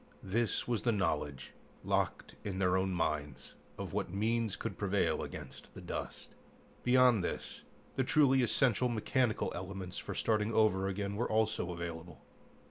This was the knowledge, locked in their own minds, of what means could prevail against the dust. Beyond this, the truly essential mechanical elements for starting over again were also available.